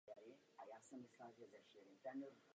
Gabriel prožil dětství v Neapoli.